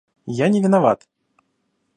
Я не виноват.